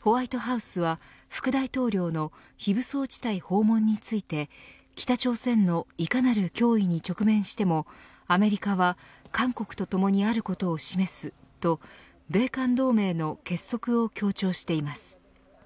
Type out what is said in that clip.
ホワイトハウスは副大統領の非武装地帯訪問について北朝鮮のいかなる脅威に直面してもアメリカは韓国と共にあることを示すと米韓同盟の結束を強調しています。